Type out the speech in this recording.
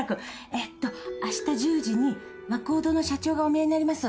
ええとあした１０時に「和光堂」の社長がおみえになります。